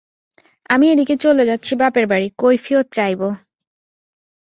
আমি এদিকে চলে যাচ্ছি বাপের বাড়ি, কৈফিয়ত চাইব।